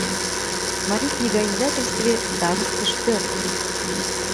«Марий книга издательстве» савыктыш пӧрт